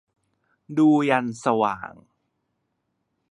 ดูยันสว่าง